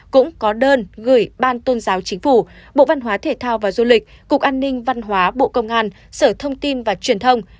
cũng có đơn gửi ban tôn giáo chính phủ bộ văn hóa thể thao và du lịch cục an ninh văn hóa bộ công an sở thông tin và truyền thông